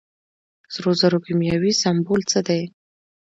د سرو زرو کیمیاوي سمبول څه دی.